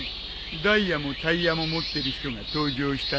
ダイヤもタイヤも持ってる人が登場したな。